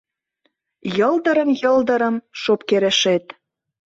Йылдырым-йылдырым шопкерешет